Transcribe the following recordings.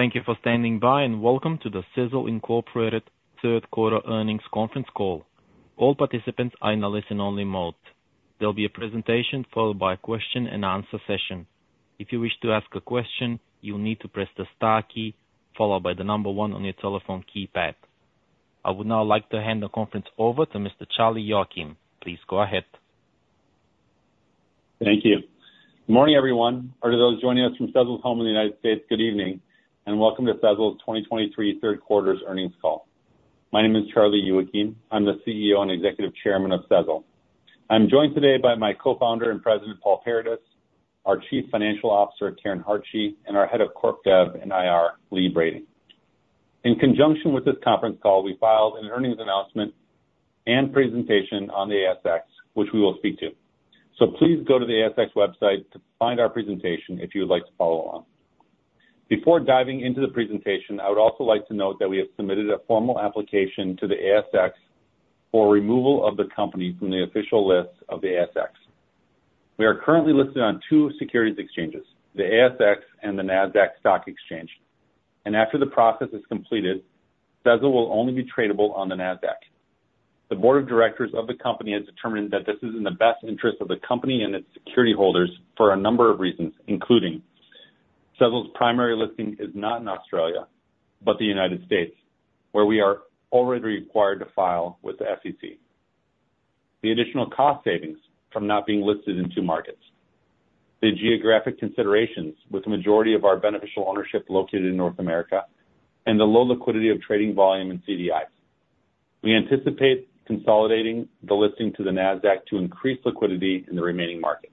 Thank you for standing by, and welcome to the Sezzle Incorporated third quarter earnings conference call. All participants are in a listen-only mode. There'll be a presentation followed by a question-and-answer session. If you wish to ask a question, you'll need to press the star key, followed by the number one on your telephone keypad. I would now like to hand the conference over to Mr. Charlie Youakim. Please go ahead. Thank you. Good morning, everyone, or to those joining us from Sezzle's home in the United States, good evening, and welcome to Sezzle's 2023 third quarter earnings call. My name is Charlie Youakim. I'm the CEO and Executive Chairman of Sezzle. I'm joined today by my co-founder and president, Paul Paradis, our Chief Financial Officer, Karen Hartje, and our Head of Corp Dev and IR, Lee Brading. In conjunction with this conference call, we filed an earnings announcement and presentation on the ASX, which we will speak to. Please go to the ASX website to find our presentation if you would like to follow along. Before diving into the presentation, I would also like to note that we have submitted a formal application to the ASX for removal of the company from the official list of the ASX. We are currently listed on two securities exchanges, the ASX and the Nasdaq Stock Exchange, and after the process is completed, Sezzle will only be tradable on the Nasdaq. The board of directors of the company has determined that this is in the best interest of the company and its security holders for a number of reasons, including Sezzle's primary listing is not in Australia, but the United States, where we are already required to file with the SEC. The additional cost savings from not being listed in two markets, the geographic considerations with the majority of our beneficial ownership located in North America, and the low liquidity of trading volume in CDIs. We anticipate consolidating the listing to the Nasdaq to increase liquidity in the remaining market.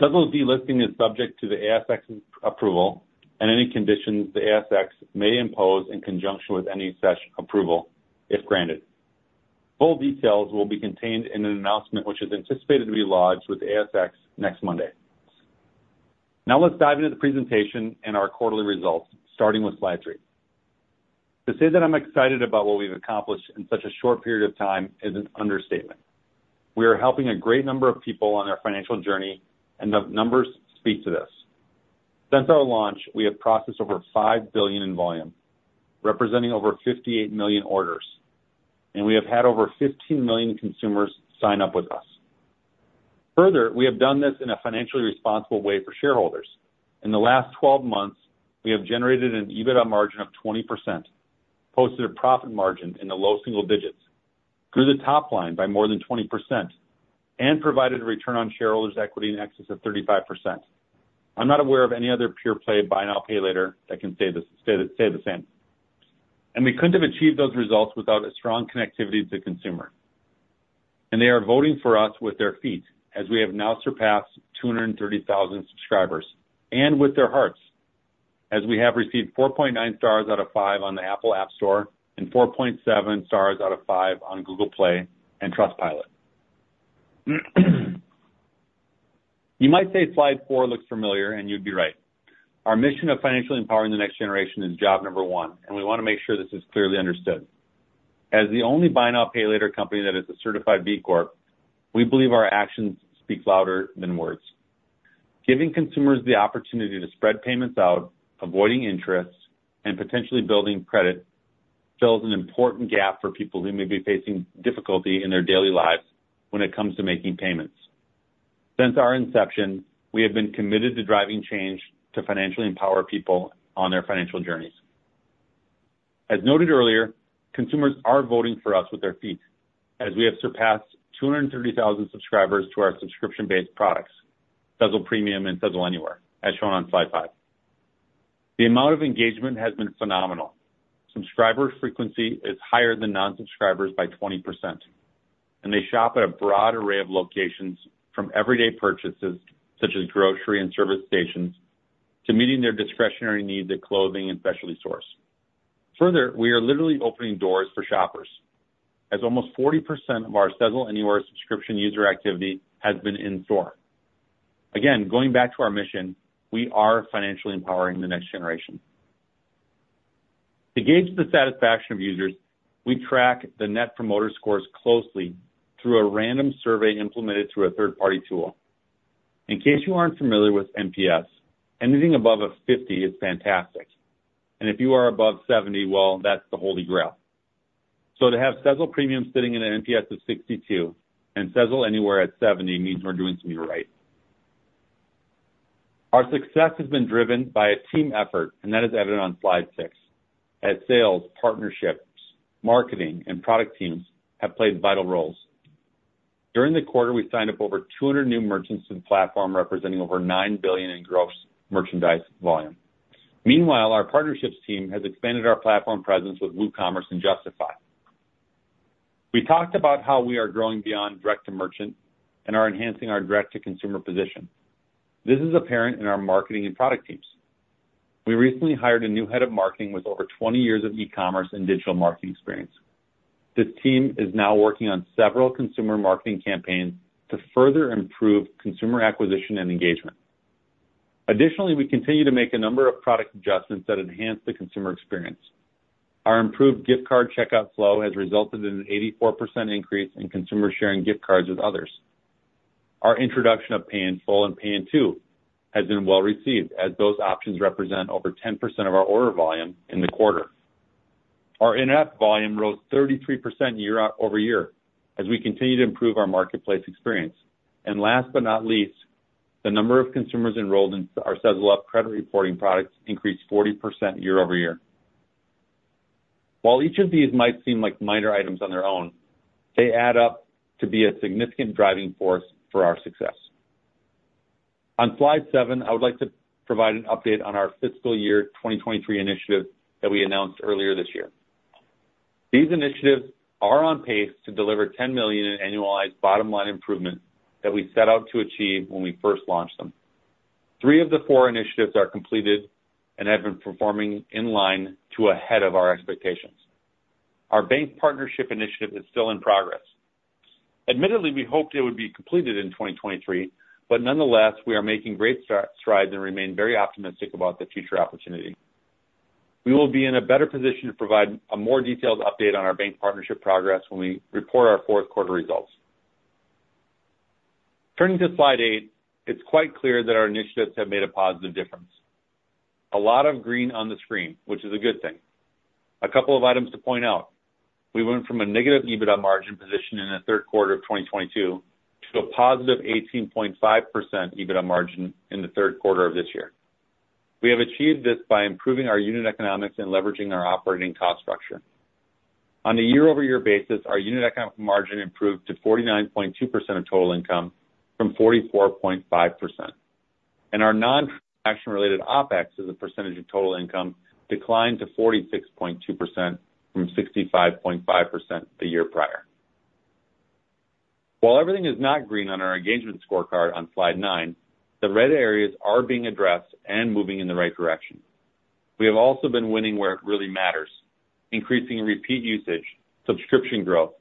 Sezzle's delisting is subject to the ASX's approval and any conditions the ASX may impose in conjunction with any such approval, if granted. Full details will be contained in an announcement which is anticipated to be lodged with the ASX next Monday. Now let's dive into the presentation and our quarterly results, starting with slide three. To say that I'm excited about what we've accomplished in such a short period of time is an understatement. We are helping a great number of people on their financial journey, and the numbers speak to this. Since our launch, we have processed over $5 billion in volume, representing over 58 million orders, and we have had over 15 million consumers sign up with us. Further, we have done this in a financially responsible way for shareholders. In the last 12 months, we have generated an EBITDA margin of 20%, posted a profit margin in the low single digits, grew the top line by more than 20%, and provided a return on shareholders' equity in excess of 35%. I'm not aware of any other pure-play buy now, pay later that can say this, say the same. And we couldn't have achieved those results without a strong connectivity to consumer. And they are voting for us with their feet, as we have now surpassed 230,000 subscribers, and with their hearts, as we have received 4.9 stars out of five on the Apple App Store and 4.7 stars out of five on Google Play and Trustpilot. You might say slide 4 looks familiar, and you'd be right. Our mission of financially empowering the next generation is job number one, and we wanna make sure this is clearly understood. As the only buy now, pay later company that is a certified B Corp, we believe our actions speak louder than words. Giving consumers the opportunity to spread payments out, avoiding interest, and potentially building credit, fills an important gap for people who may be facing difficulty in their daily lives when it comes to making payments. Since our inception, we have been committed to driving change to financially empower people on their financial journeys. As noted earlier, consumers are voting for us with their feet, as we have surpassed 230,000 subscribers to our subscription-based products, Sezzle Premium and Sezzle Anywhere, as shown on slide 5. The amount of engagement has been phenomenal. Subscriber frequency is higher than non-subscribers by 20%, and they shop at a broad array of locations, from everyday purchases, such as grocery and service stations, to meeting their discretionary needs at clothing and specialty stores. Further, we are literally opening doors for shoppers, as almost 40% of our Sezzle Anywhere subscription user activity has been in-store. Again, going back to our mission, we are financially empowering the next generation. To gauge the satisfaction of users, we track the Net Promoter Scores closely through a random survey implemented through a third-party tool. In case you aren't familiar with NPS, anything above 50 is fantastic, and if you are above 70, well, that's the holy grail. So to have Sezzle Premium sitting in an NPS of 62 and Sezzle Anywhere at 70 means we're doing something right. Our success has been driven by a team effort, and that is evident on slide six, as sales, partnerships, marketing, and product teams have played vital roles. During the quarter, we signed up over 200 new merchants to the platform, representing over $9 billion in gross merchandise volume. Meanwhile, our partnerships team has expanded our platform presence with WooCommerce and JustiFi. We talked about how we are growing beyond direct-to-merchant and are enhancing our direct-to-consumer position. This is apparent in our marketing and product teams. We recently hired a new head of marketing with over 20 years of e-commerce and digital marketing experience. This team is now working on several consumer marketing campaigns to further improve consumer acquisition and engagement. Additionally, we continue to make a number of product adjustments that enhance the consumer experience. Our improved gift card checkout flow has resulted in an 84% increase in consumer sharing gift cards with others. Our introduction of Pay in Full and Pay in Two has been well received, as those options represent over 10% of our order volume in the quarter. Our in-app volume rose 33% year-over-year as we continue to improve our marketplace experience. And last but not least, the number of consumers enrolled in our Sezzle Up credit reporting products increased 40% year-over-year. While each of these might seem like minor items on their own, they add up to be a significant driving force for our success. On slide 7, I would like to provide an update on our fiscal year 2023 initiative that we announced earlier this year. These initiatives are on pace to deliver $10 million in annualized bottom line improvement that we set out to achieve when we first launched them. Three of the four initiatives are completed and have been performing in line to ahead of our expectations. Our bank partnership initiative is still in progress. Admittedly, we hoped it would be completed in 2023, but nonetheless, we are making great strides and remain very optimistic about the future opportunity. We will be in a better position to provide a more detailed update on our bank partnership progress when we report our fourth quarter results. Turning to slide 8, it's quite clear that our initiatives have made a positive difference. A lot of green on the screen, which is a good thing. A couple of items to point out. We went from a negative EBITDA margin position in the third quarter of 2022 to a positive 18.5% EBITDA margin in the third quarter of this year. We have achieved this by improving our unit economics and leveraging our operating cost structure. On a year-over-year basis, our unit economic margin improved to 49.2% of total income from 44.5%, and our non-transaction related OpEx as a percentage of total income declined to 46.2% from 65.5% the year prior. While everything is not green on our engagement scorecard on slide 9, the red areas are being addressed and moving in the right direction. We have also been winning where it really matters, increasing repeat usage, subscription growth,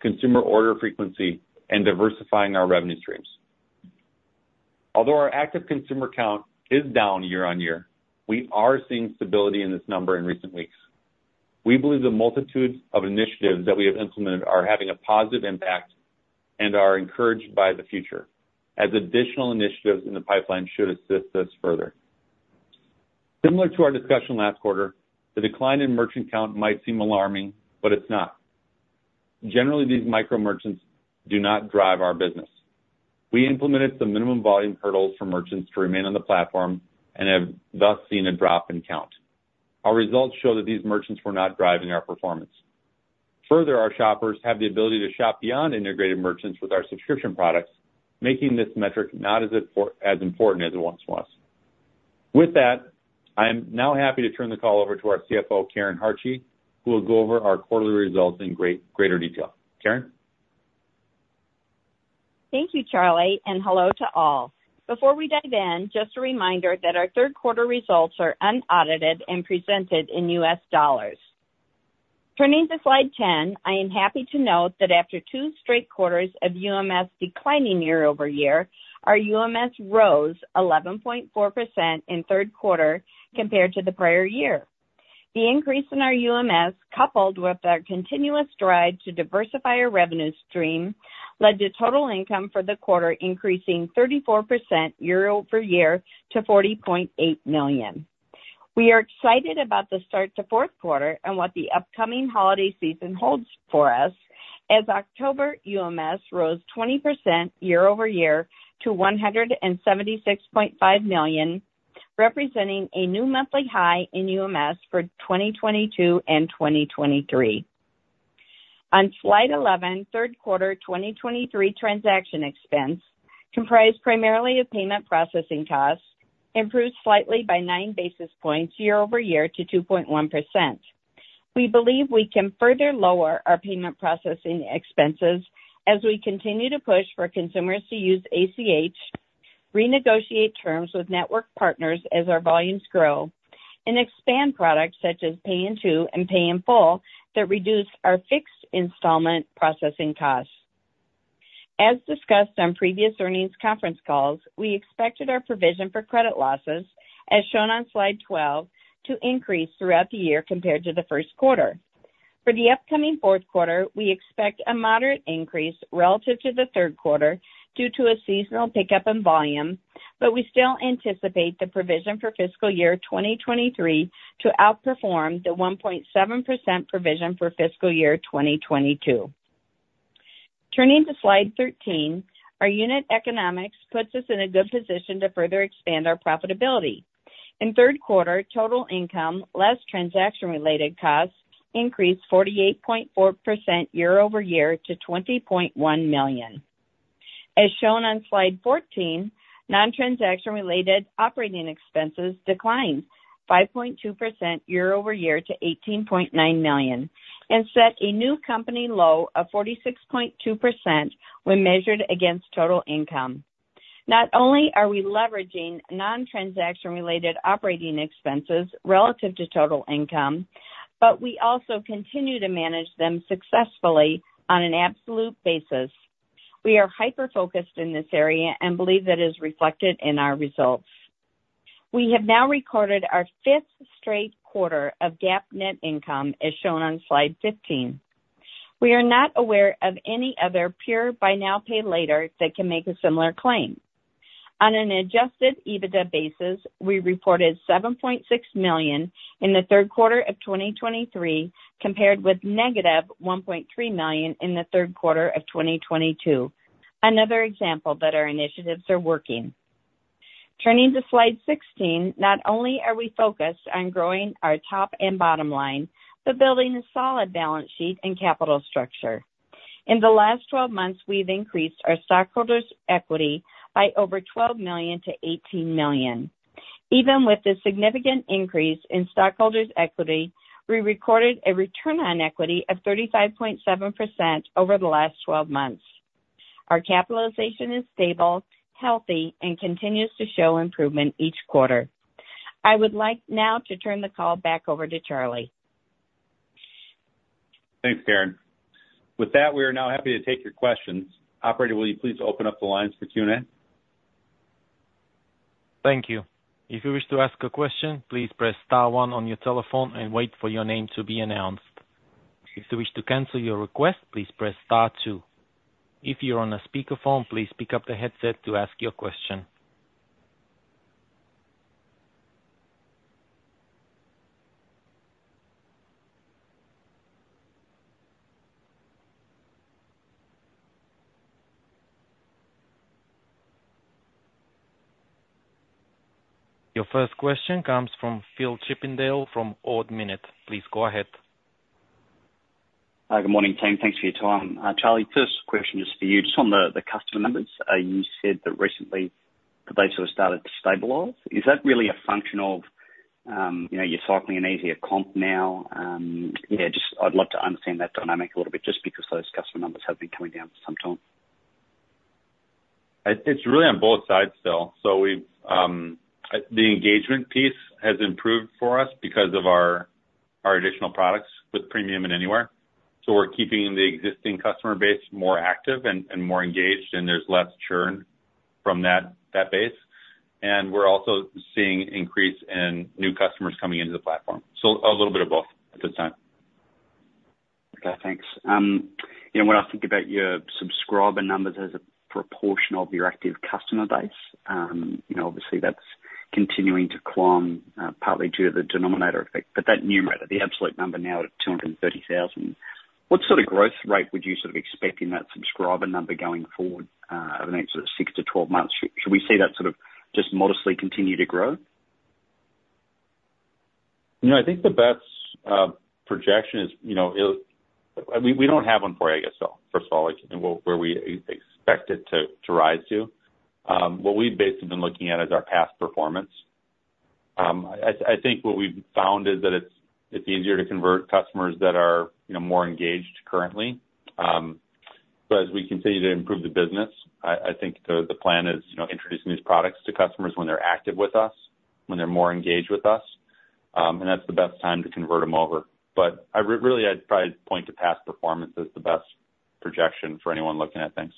consumer order frequency, and diversifying our revenue streams. Although our active consumer count is down year-on-year, we are seeing stability in this number in recent weeks. We believe the multitude of initiatives that we have implemented are having a positive impact and are encouraged by the future, as additional initiatives in the pipeline should assist us further. Similar to our discussion last quarter, the decline in merchant count might seem alarming, but it's not. Generally, these micro-merchants do not drive our business. We implemented some minimum volume hurdles for merchants to remain on the platform and have thus seen a drop in count. Our results show that these merchants were not driving our performance. Further, our shoppers have the ability to shop beyond integrated merchants with our subscription products, making this metric not as important as it once was. With that, I am now happy to turn the call over to our CFO, Karen Hartje, who will go over our quarterly results in greater detail. Karen? Thank you, Charlie, and hello to all. Before we dive in, just a reminder that our third quarter results are unaudited and presented in US dollars. Turning to slide 10, I am happy to note that after two straight quarters of UMS declining year-over-year, our UMS rose 11.4% in third quarter compared to the prior year. The increase in our UMS, coupled with our continuous drive to diversify our revenue stream, led to total income for the quarter, increasing 34% year-over-year to $40.8 million. We are excited about the start to fourth quarter and what the upcoming holiday season holds for us, as October UMS rose 20% year-over-year to $176.5 million, representing a new monthly high in UMS for 2022 and 2023. On slide 11, third quarter 2023 transaction expense, comprised primarily of payment processing costs, improved slightly by 9 basis points year-over-year to 2.1%. We believe we can further lower our payment processing expenses as we continue to push for consumers to use ACH, renegotiate terms with network partners as our volumes grow, and expand products such as Pay in Two and Pay in Full that reduce our fixed installment processing costs. As discussed on previous earnings conference calls, we expected our provision for credit losses, as shown on slide 12, to increase throughout the year compared to the first quarter. For the upcoming fourth quarter, we expect a moderate increase relative to the third quarter due to a seasonal pickup in volume, but we still anticipate the provision for fiscal year 2023 to outperform the 1.7% provision for fiscal year 2022. Turning to slide 13, our unit economics puts us in a good position to further expand our profitability. In third quarter, total income, less transaction-related costs, increased 48.4% year-over-year to $20.1 million. As shown on slide 14, non-transaction related operating expenses declined 5.2% year-over-year to $18.9 million, and set a new company low of 46.2% when measured against total income. Not only are we leveraging non-transaction related operating expenses relative to total income, but we also continue to manage them successfully on an absolute basis. We are hyper-focused in this area and believe that is reflected in our results. We have now recorded our fifth straight quarter of GAAP net income, as shown on slide 15. We are not aware of any other pure buy now, pay later that can make a similar claim. On an Adjusted EBITDA basis, we reported $7.6 million in the third quarter of 2023, compared with -$1.3 million in the third quarter of 2022. Another example that our initiatives are working. Turning to slide 16, not only are we focused on growing our top and bottom line, but building a solid balance sheet and capital structure. In the last twelve months, we've increased our stockholders' equity by over $12 million to $18 million. Even with the significant increase in stockholders' equity, we recorded a return on equity of 35.7% over the last 12 months. Our capitalization is stable, healthy, and continues to show improvement each quarter. I would like now to turn the call back over to Charlie. Thanks, Karen. With that, we are now happy to take your questions. Operator, will you please open up the lines for Q&A? Thank you. If you wish to ask a question, please press star one on your telephone and wait for your name to be announced. If you wish to cancel your request, please press star two. If you're on a speakerphone, please pick up the headset to ask your question. Your first question comes from Phillip Chippindale from Ord Minnett. Please go ahead. Hi, good morning, team. Thanks for your time. Charlie, first question is for you. Just on the customer numbers, you said that recently that they sort of started to stabilize. Is that really a function of, you know, you're cycling an easier comp now? Yeah, just I'd love to understand that dynamic a little bit, just because those customer numbers have been coming down for some time. It's really on both sides still. So the engagement piece has improved for us because of our additional products with Premium and Anywhere. So we're keeping the existing customer base more active and more engaged, and there's less churn from that base. And we're also seeing increase in new customers coming into the platform. So a little bit of both at this time. Okay, thanks. You know, when I think about your subscriber numbers as a proportion of your active customer base, you know, obviously that's continuing to climb, partly due to the denominator effect. But that numerator, the absolute number now at 230,000, what sort of growth rate would you sort of expect in that subscriber number going forward, over the next 6-12 months? Should we see that sort of just modestly continue to grow? You know, I think the best projection is, you know, we don't have one for you, I guess, so first of all, like, where we expect it to rise to. What we've basically been looking at is our past performance. I think what we've found is that it's easier to convert customers that are, you know, more engaged currently. But as we continue to improve the business, I think the plan is, you know, introducing these products to customers when they're active with us, when they're more engaged with us, and that's the best time to convert them over. But I really, I'd probably point to past performance as the best projection for anyone looking at things.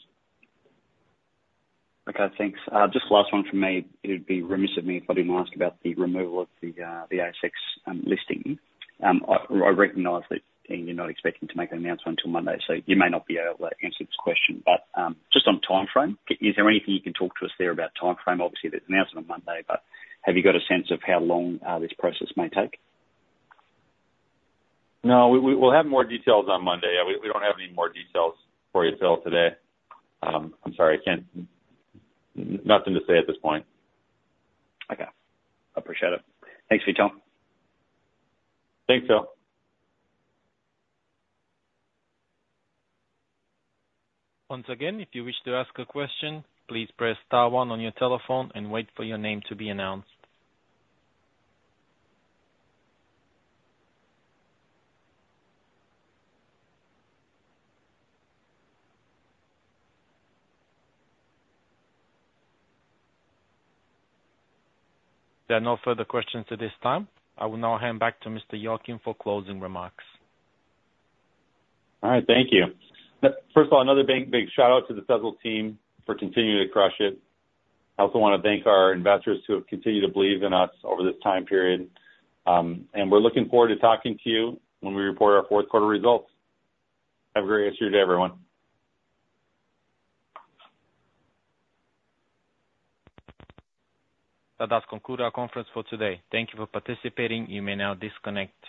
Okay, thanks. Just last one from me. It would be remiss of me if I didn't ask about the removal of the ASX listing. I recognize that you're not expecting to make an announcement until Monday, so you may not be able to answer this question, but just on timeframe, is there anything you can talk to us there about timeframe? Obviously, there's an announcement on Monday, but have you got a sense of how long this process may take? No, we'll have more details on Monday. Yeah, we don't have any more details for you till today. I'm sorry, I can't... Nothing to say at this point. Okay, appreciate it. Thanks for your time. Thanks, Phil. Once again, if you wish to ask a question, please press star one on your telephone and wait for your name to be announced. There are no further questions at this time. I will now hand back to Mr. Youakim for closing remarks. All right, thank you. First of all, another big, big shout-out to the Sezzle team for continuing to crush it. I also want to thank our investors who have continued to believe in us over this time period. And we're looking forward to talking to you when we report our fourth quarter results. Have a great rest of your day, everyone. That does conclude our conference for today. Thank you for participating. You may now disconnect.